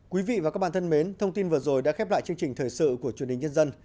quý vị và các bạn thân mến thông tin vừa rồi đã khép lại chương trình thời sự của truyền hình nhân dân